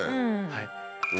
はい。